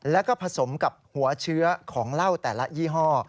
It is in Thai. แล้วก็ผสมกับหัวเชื้อของเหล้าแต่ละยี่ห้อ